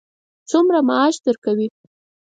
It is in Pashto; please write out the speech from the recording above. څومره معاش درکوي.